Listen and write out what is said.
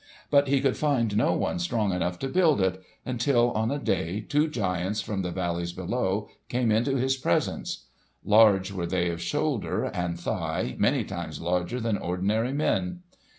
But he could find no one strong enough to build it, until on a day two giants from the valleys below came into his presence. Large were they of shoulder and thigh, many times larger than ordinary men.